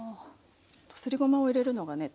すりごまを入れるのがね